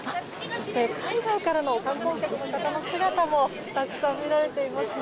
海外からの観光客の方の姿もたくさん見られていますね。